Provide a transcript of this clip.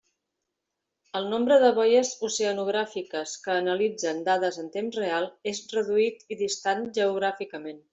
El nombre de boies oceanogràfiques que analitzen dades en temps real és reduït i distant geogràficament.